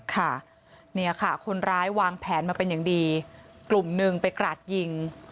ค่ะเนี่ยค่ะคนร้ายวางแผนมาเป็นอย่างดีกลุ่มหนึ่งไปกราดยิง